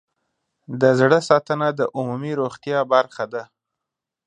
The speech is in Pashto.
د زړه ساتنه د عمومي روغتیا برخه ده.